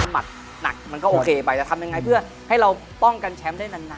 หมัดหนักมันก็โอเคไปจะทำยังไงเพื่อให้เราป้องกันแชมป์ได้นาน